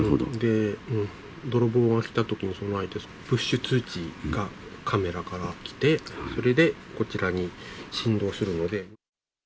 泥棒が来たときに備えてプッシュ通知がカメラからきて、それで、こちらに振動するので。